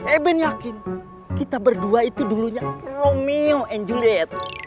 eben yakin kita berdua itu dulunya romeo and juliet